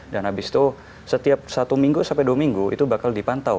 dan habis itu setiap satu minggu sampai dua minggu itu bakal dipantau